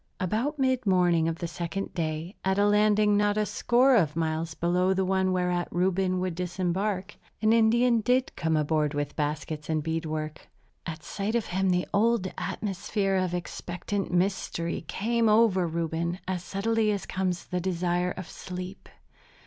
About mid morning of the second day, at a landing not a score of miles below the one whereat Reuben would disembark, an Indian did come aboard with baskets and bead work. At sight of him the old atmosphere of expectant mystery came over Reuben as subtly as comes the desire of sleep.